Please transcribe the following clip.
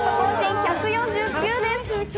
１４９です！